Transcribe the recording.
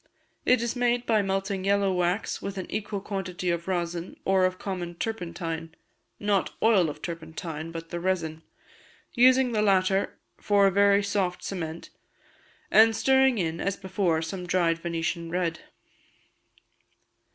It is made by melting yellow wax with an equal quantity of rosin, or of common turpentine (not oil of turpentine, but the resin), using the latter for a very soft cement, and stirring in, as before, some dried Venetian red.